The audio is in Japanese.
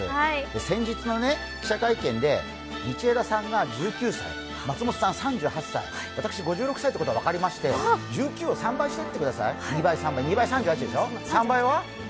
先日の記者会見で、道枝さんが１９歳松本さん３８歳、私、５６歳ということが分かりまして１９を２倍、３倍していってください。